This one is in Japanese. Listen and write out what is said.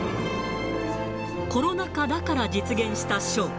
コロナ禍だから実現したショー。